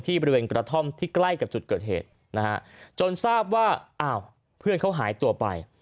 บริเวณกระท่อมที่ใกล้กับจุดเกิดเหตุนะฮะจนทราบว่าอ้าวเพื่อนเขาหายตัวไป